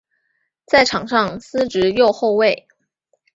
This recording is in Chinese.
在场上司职右后卫。